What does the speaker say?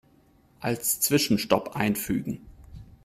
Als Zwischenstopp einfügen.